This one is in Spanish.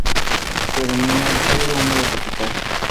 Predomina el cálido húmedo tropical.